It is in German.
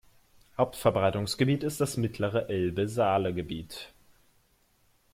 Hauptverbreitungsgebiet ist das mittlere Elbe-Saale-Gebiet.